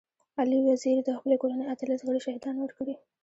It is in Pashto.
علي وزير د خپلي کورنۍ اتلس غړي شهيدان ورکړي.